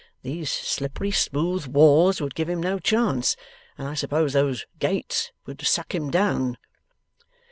These slippery smooth walls would give him no chance. And I suppose those gates would suck him down?